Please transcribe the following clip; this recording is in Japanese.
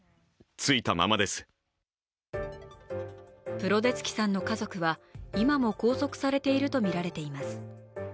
プロデツキさんの家族は今も拘束されているとみられています。